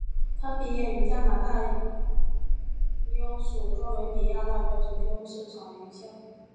她毕业于加拿大英属哥伦比亚大学主修市场营销。